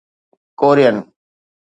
Korean